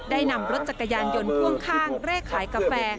ได้นำรถจักรยานยนต์พ่วงข้างเลขขายกาแฟ